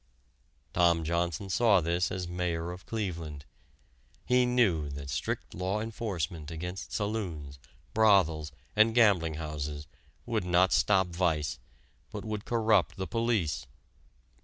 Tom Johnson saw this as Mayor of Cleveland; he knew that strict law enforcement against saloons, brothels, and gambling houses would not stop vice, but would corrupt the police.